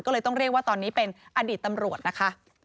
ก็เลยต้องเรียกว่าตอนนี้เป็นอดีตตำรวจนะคะ